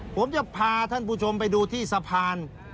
ผมจะพาท่านผู้ชมไปดูที่สะพาน